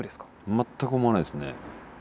全く思わないですね。